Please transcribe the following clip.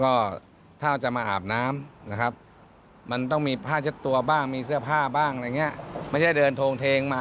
และก็ถ้าจะมาอาบน้ำนะครับมันต้องมีผ้าเช็ดตัวบ้างไม่ใช่เดินโทรงเทงมาอาบน้ำ